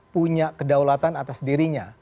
punya kedaulatan atas dirinya